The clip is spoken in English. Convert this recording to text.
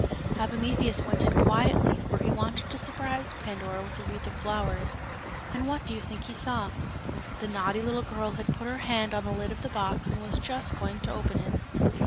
Epimetheus went in quietly, for he wanted to surprise Pandora with the wreath of flowers. And what do you think he saw? The naughty little girl had put her hand on the lid of the box and was just going to open it.